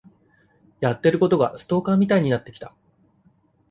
やってることがストーカーみたいになってきた。